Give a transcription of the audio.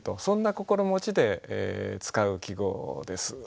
そんな心持ちで使う季語です。